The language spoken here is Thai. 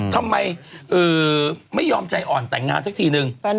ทำไมไม่ยอมใจอ่อนแต่งงานสักทีนึง